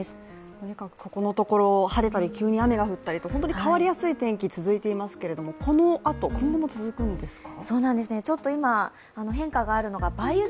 とにかくここのところ晴れたり急に雨が降ったり本当に変わりやすい天気続いていますけれどもこのあと、今後も続くんですか。